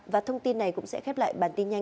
và thông tin này cũng sẽ khép lại bản tin nhanh